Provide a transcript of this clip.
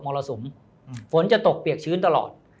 รสุมฝนจะตกเปียกชื้นตลอด